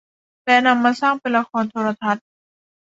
และนำมาสร้างเป็นละครโทรทัศน์